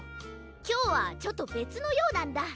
きょうはちょっとべつのようなんだ。